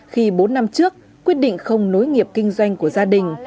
khi bốn năm trước quyết định không nối nghiệp kinh doanh của gia đình